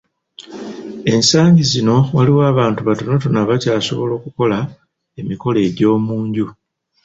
Ensangi zino waliwo abantu batonotono abakyasobola okukola emikolo egy’omu nju.